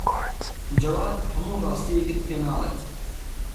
جەواد هەموو ڕاستییەکەت پێ ناڵێت.